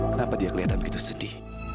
kenapa dia kelihatan begitu sedih